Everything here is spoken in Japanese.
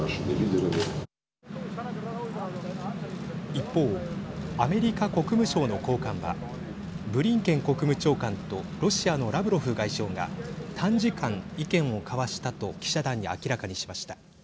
一方、アメリカ国務省の高官はブリンケン国務長官とロシアのラブロフ外相が、短時間意見を交わしたと記者団に明らかにしました。